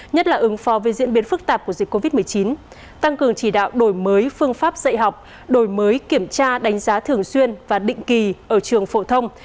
nhất là ứng phó với diễn biến phức tạp của dịch covid một mươi chín tăng cường chỉ đạo đổi mới phương pháp dạy học đổi mới kiểm tra đánh giá thường xuyên và định kỳ ở trường phổ thông